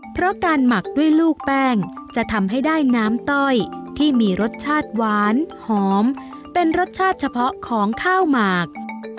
เพราะการหมักด้วยลูกแป้งจะทำให้ได้น้ำต้อยที่มีรสชาติหวานหอมเป็นรสชาติเฉพาะของข้าวหมาก